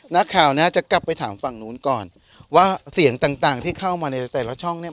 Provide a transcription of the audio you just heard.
นักข่าวเนี้ยจะกลับไปถามฝั่งนู้นก่อนว่าเสียงต่างต่างที่เข้ามาในแต่ละช่องเนี่ย